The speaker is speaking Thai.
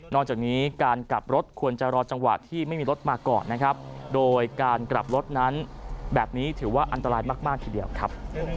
จากนี้การกลับรถควรจะรอจังหวะที่ไม่มีรถมาก่อนนะครับโดยการกลับรถนั้นแบบนี้ถือว่าอันตรายมากทีเดียวครับ